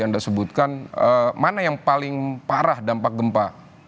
anda sebutkan mana yang paling parah dampak gempa